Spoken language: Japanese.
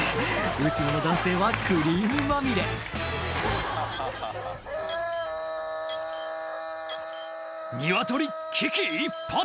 後ろの男性はクリームまみれニワトリ危機一髪！